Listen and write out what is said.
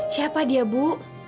siapa dia bu